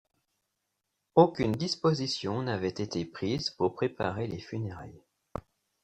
Aucune disposition n'avait été prise pour préparer les funérailles.